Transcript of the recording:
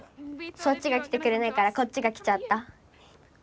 そっちが来てくれないからこっちが来ちゃった。